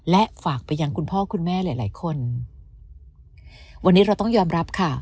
และฝากไปยังคุณพ่อคุณแม่หลายหลายคนวันนี้เราต้องยอมรับค่ะ